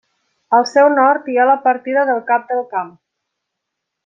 Al seu nord hi ha la partida del Cap del Camp.